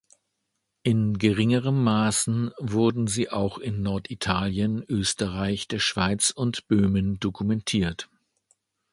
In geringerem Maßen wurden sie auch in Norditalien, Österreich, der Schweiz und Böhmen dokumentiert.